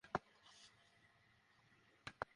বিচার পেছানোর জন্য বার বার সময় নেবেন, এটা হতে পারে না।